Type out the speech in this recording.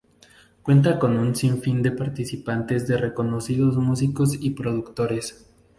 Cuenta con un sinfín de participaciones de reconocidos músicos y productores.